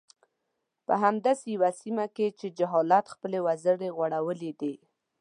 په همداسې يوه سيمه کې چې جهالت خپلې وزرې غوړولي دي.